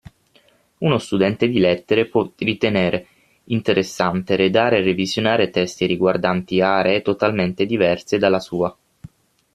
Uno studente di Lettere può ritenere interessante redare e revisionare testi riguardanti aree totalmente diverse dalla sua.